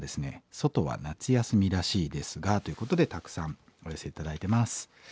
「ソトは夏休みらしいですが」ということでたくさんお寄せ頂いてます。